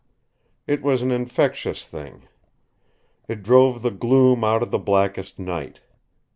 It was an infectious thing. It drove the gloom out of the blackest night.